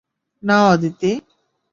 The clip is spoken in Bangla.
না, আদিতি!